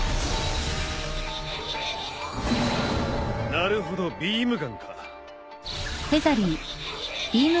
なるほどビームガンか。